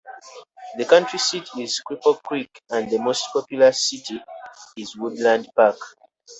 The county seat is Cripple Creek, and the most populous city is Woodland Park.